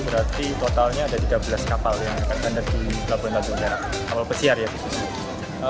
berarti totalnya ada tiga belas kapal yang akan bandar di pelabuhan tanjung perak kapal pesiar ya khususnya